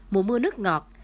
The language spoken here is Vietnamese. mùa mưa nước ngọt